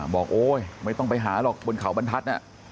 โอ๊ยไม่ต้องไปหาหรอกบนเขาบรรทัศน์